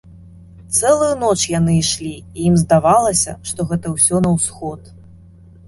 Цэлую ноч яны ішлі, і ім здавалася, што гэта ўсё на ўсход.